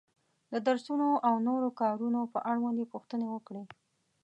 د درسونو او نورو کارونو په اړوند یې پوښتنې وکړې.